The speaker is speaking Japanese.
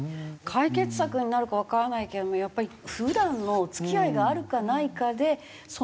解決策になるかわからないけどもやっぱり普段の付き合いがあるかないかでその音も。